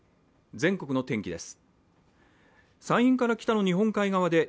全国の天気です。